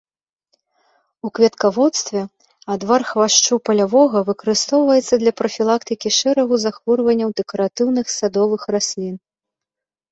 У кветкаводстве адвар хвашчу палявога выкарыстоўваецца для прафілактыкі шэрагу захворванняў дэкаратыўных садовых раслін.